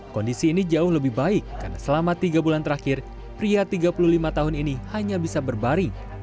kondisi ini jauh lebih baik karena selama tiga bulan terakhir pria tiga puluh lima tahun ini hanya bisa berbaring